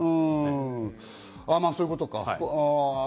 そういうことか。